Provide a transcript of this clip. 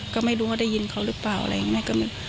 ก็ไม่รู้ว่าได้ยินเขาหรือเปล่าอะไรอย่างนี้